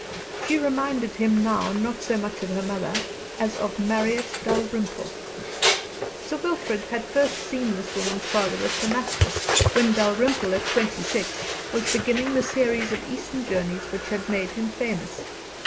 She reminded him now not so much of her mother as of Marriott Dalrymple. Sir Wilfrid had first seen this woman's father at Damascus, when Dalrymple, at twenty six, was beginning the series of Eastern journeys which had made him famous.